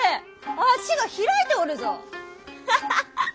足が開いておるぞ！